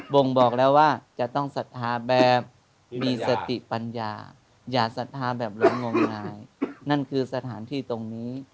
่งบอกแล้วว่าจะต้องศรัทธาแบบมีสติปัญญาอย่าศรัทธาแบบหลงงมงายนั่นคือสถานที่ตรงนี้